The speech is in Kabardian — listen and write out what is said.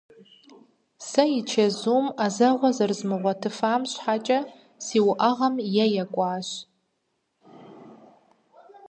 Сэ и чэзум ӏэзэгъуэ зэрызмыгъуэтыфам щхьэкӏэ си уӏэгъэм е екӏуащ.